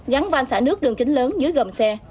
gắn van xả nước đường kính lớn dưới gầm xe